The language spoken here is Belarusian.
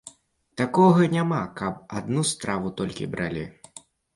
Такога няма, каб адну страву толькі бралі.